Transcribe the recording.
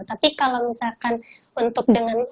tapi kalau misalkan untuk dengan